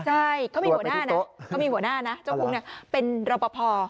ใช่เขามีหัวหน้านะเจ้าคุ้งเป็นรับประพอ